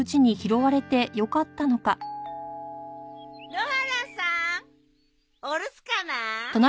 野原さーんお留守かな？